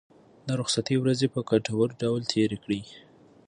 د رخصتۍ ورځې په ګټور ډول تېرې کړئ.